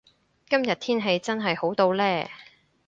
今日天氣真係好到呢